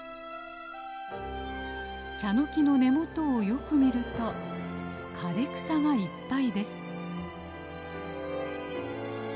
チャノキの根元をよく見ると枯れ草がいっぱいです。